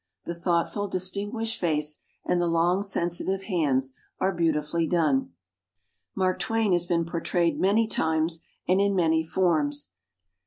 The thoughtful, • distinguished face, and the long, sensi tive hands are beautifully done. Mark Twain has been portrayed many times and in many forms.